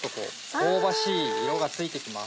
香ばしい色がついて来ます。